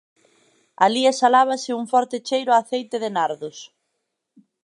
Alí exhalábase un forte cheiro a aceite de nardos.